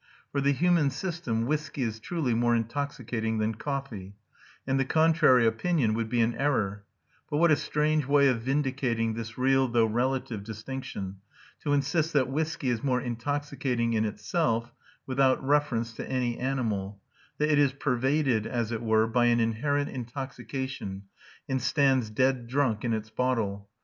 For the human system whiskey is truly more intoxicating than coffee, and the contrary opinion would be an error; but what a strange way of vindicating this real, though relative, distinction, to insist that whiskey is more intoxicating in itself, without reference to any animal; that it is pervaded, as it were, by an inherent intoxication, and stands dead drunk in its bottle!